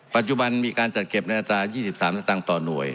ปัจจุบันมีการจัดเก็บในอัตรา๒๓สตางค์ต่อหน่วย